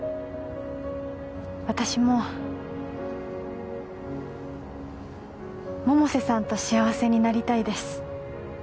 私も百瀬さんと幸せになりたいです